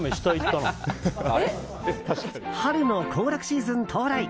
春の行楽シーズン到来！